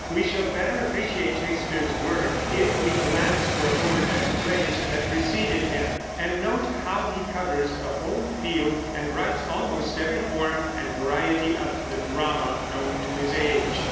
We shall better appreciate Shakespeare's work if we glance for a moment at the plays that preceded him, and note how he covers the whole field and writes almost every form and variety of the drama known to his age.